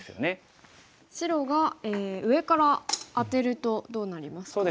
白が上からアテるとどうなりますか？